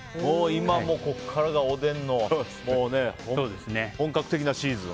今、ここからがおでんの本格的なシーズン。